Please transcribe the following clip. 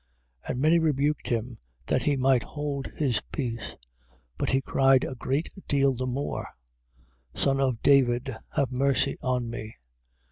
10:48. And many rebuked him, that he might hold his peace; but he cried a great deal the more: Son of David, have mercy on me.